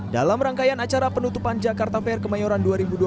dalam rangkaian acara penutupan jakarta fair kemayoran dua ribu dua puluh